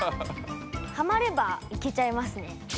はまればいけちゃいますね。